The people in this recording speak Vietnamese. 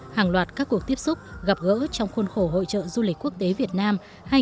hàng loạt các cuộc tiếp xúc gặp gỡ trong khuôn khổ hội trợ du lịch quốc tế việt nam hai nghìn hai mươi bốn